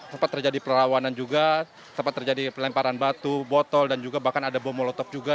sempat terjadi perlawanan juga sempat terjadi pelemparan batu botol dan juga bahkan ada bom molotov juga